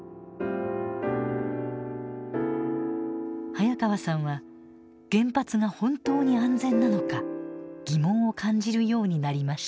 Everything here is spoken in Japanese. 早川さんは原発が本当に安全なのか疑問を感じるようになりました。